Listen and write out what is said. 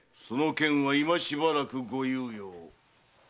その件は今しばらくご猶予を。